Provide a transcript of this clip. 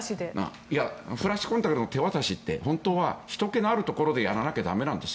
フラッシュコンタクトの手渡しって本当はひとけのあるところでやらないといけないんです。